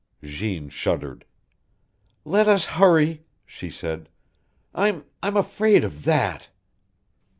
Jeanne shuddered. "Let us hurry," she said. "I'm I'm afraid of THAT!"